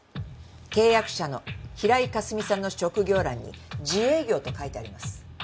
契約者の平井かすみさんの職業欄に「自営業」と書いてあります。